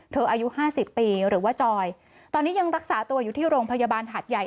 อายุห้าสิบปีหรือว่าจอยตอนนี้ยังรักษาตัวอยู่ที่โรงพยาบาลหาดใหญ่